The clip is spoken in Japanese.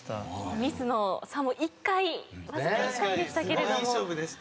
ミスの差もわずか１回でしたけれども。